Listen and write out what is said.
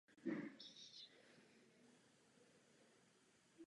Doplnění historie Vysočan.